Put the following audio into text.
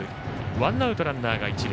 ワンアウト、ランナーが一塁。